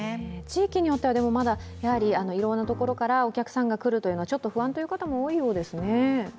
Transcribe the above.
地域によってはいろんなところからお客さんが来るというのはちょっと不安という方も多いようですね。